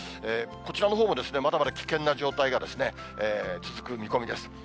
こちらのほうもまだまだ危険な状態が続く見込みです。